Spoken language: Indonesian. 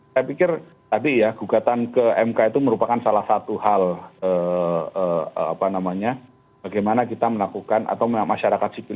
saya pikir tadi ya gugatan ke mk itu merupakan salah satu hal bagaimana kita melakukan atau masyarakat sipil